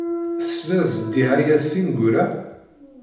Teslid s ddiɛayat tineggura?